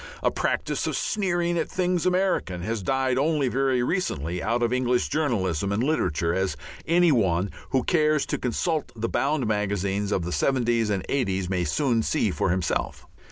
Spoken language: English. A practice of sneering at things American has died only very recently out of English journalism and literature, as any one who cares to consult the bound magazines of the 'seventies and 'eighties may soon see for himself.